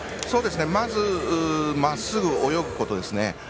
まずまっすぐ泳ぐことですね。